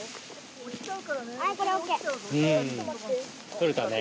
取れたね。